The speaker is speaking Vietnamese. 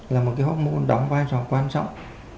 là một cái hóc môn đóng vai trò quan trọng